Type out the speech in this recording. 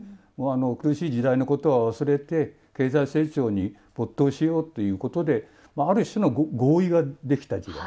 苦しい時代のことは忘れて経済成長に没頭しようということである種の合意ができた時代。